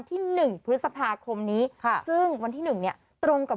หนึ่งพฤษภาคมนี้ค่ะซึ่งวันที่หนึ่งเนี้ยตรงกับ